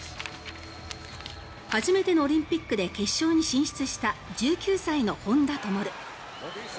初めてのオリンピックで決勝に進出した１９歳の本多灯。